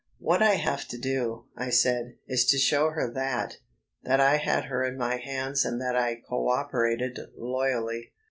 "What I have to do," I said, "is to show her that ... that I had her in my hands and that I co operated loyally."